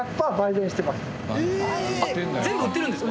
全部売ってるんですか？